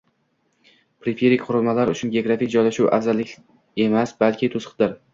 Periferik qurilmalar uchun geografik joylashuv afzallik emas, balki to'siqdir